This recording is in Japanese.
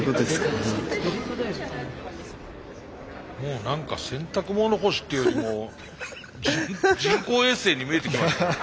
もう何か洗濯物干しっていうよりも人工衛星に見えてきました。